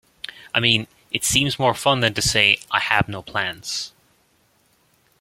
I mean, it seems more fun than to say, 'I have no plans.